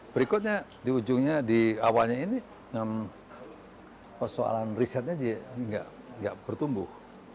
berikutnya di ujungnya di awalnya ini persoalan risetnya ya enggak enggak bertumbuh